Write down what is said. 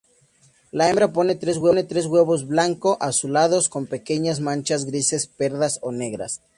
La hembra pone tres huevos blanco-azulados con pequeñas manchas grises, pardas o negras.